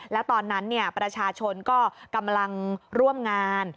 แล้วตอนนั้นประชาชนก็กำลังร่วมงาน